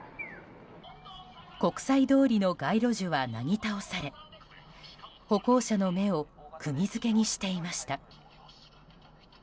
国際通りの街路樹はなぎ倒され歩行者の目をくぎ付けにしていました。